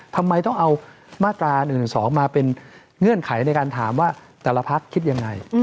ทำไมต้องเอามาตรา๑๑๒มาเป็นเงื่อนไขในการถามว่าแต่ละพักคิดยังไง